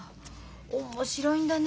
面白いんだね